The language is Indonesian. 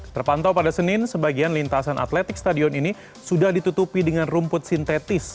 terpantau pada senin sebagian lintasan atletik stadion ini sudah ditutupi dengan rumput sintetis